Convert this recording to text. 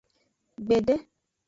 Gbede.